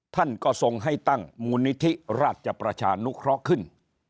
ท่านก็ทรงให้ตั้งมูลนิธิราชประชานุเคราะห์ขึ้น